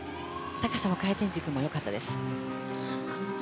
高さも回転軸も良かったです。